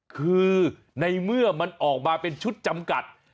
คือในเมื่อมันออกมาเป็นชุดจำกัด